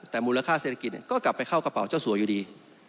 แต่มูลค่าเศรษฐกิจก็กลับไปเข้ากระเป๋าเจ้าสัวอยู่ดี